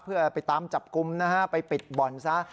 เพื่อไปตามจับกลุ่มนะฮะไปปิดบ่อนซะ